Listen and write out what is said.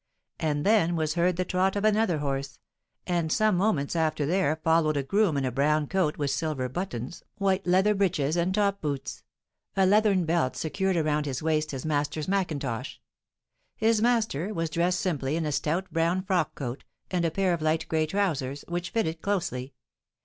And then was heard the trot of another horse; and some moments after there followed a groom in a brown coat with silver buttons, white leather breeches, and top boots. A leathern belt secured around his waist his master's macintosh. His master was dressed simply in a stout brown frock coat, and a pair of light gray trousers, which fitted closely.